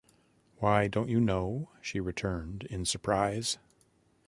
Why, don't you know? she returned, in surprise.